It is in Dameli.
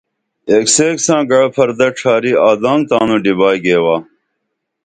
ایک سیک ساں گعئو پھر دش ڇھاری آدانگ تانوں ڈیبائی گیوا